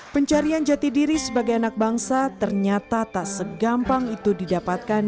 pencarian jati diri sebagai anak bangsa ternyata tak segampang itu didapatkan